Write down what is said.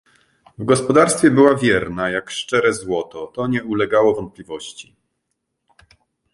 W gospodarstwie była wierna jak szczere złoto — to nie ulegało wątpliwości!